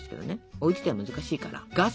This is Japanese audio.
おうちでは難しいから。